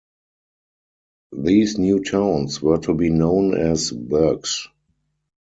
These new towns were to be known as Burghs.